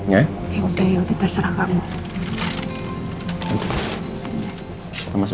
ya udah yaudah terserah kamu